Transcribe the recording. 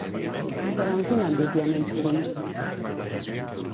Però en quin àmbit hi ha menys crims?